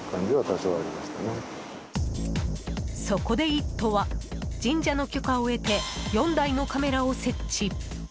そこで「イット！」は神社の許可を得て４台のカメラを設置。